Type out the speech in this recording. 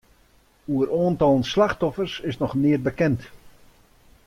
Oer oantallen slachtoffers is noch neat bekend.